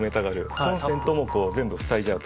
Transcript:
コンセントも全部塞いじゃうと。